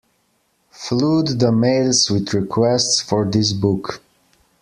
Flood the mails with requests for this book.